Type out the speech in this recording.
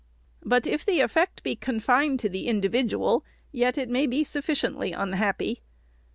"But if the effect be confined to the individual, yet it may be sufficiently unhappy.